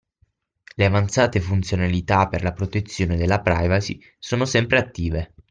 Le avanzate funzionalità per la protezione della privacy sono sempre attive